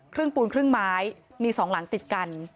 ครึ่งปูนครึ่งไม้มี๒หลังติดกัน